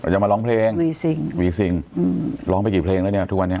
จะมาร้องเพลงวีซิงวีซิงร้องไปกี่เพลงแล้วเนี่ยทุกวันนี้